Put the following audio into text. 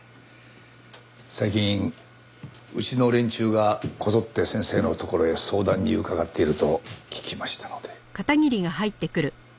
最近うちの連中がこぞって先生のところへ相談に伺っていると聞きましたので。